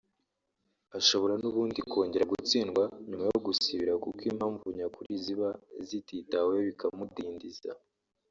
ashobora nubundi kongera gutsindwa nyuma yo gusibira kuko impamvu nyakuri ziba zititaweho bikamudindiza